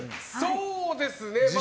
そうですね。